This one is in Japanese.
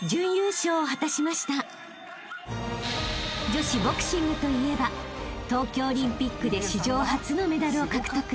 ［女子ボクシングといえば東京オリンピックで史上初のメダルを獲得］